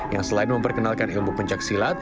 yang selain memperkenalkan ilmu pencaksilat